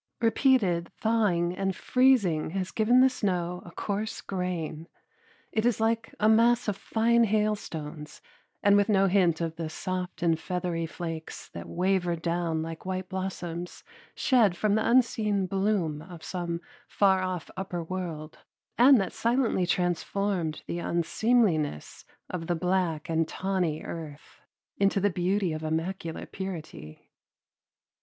Repeated thawing and freezing has given the snow a coarse grain. It is like a mass of fine hailstones and with no hint of the soft and feathery flakes that wavered down like white blossoms shed from the unseen bloom of some far off upper world and that silently transformed the unseemliness of the black and tawny earth into the beauty of immaculate purity.